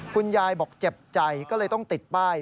คุณยายบอกเจ็บใจก็เลยต้องติดป้าย